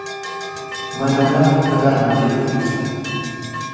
Manarraa hin fagaannu jechuu ibsa.